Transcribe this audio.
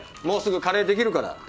もうすぐカレーできるから。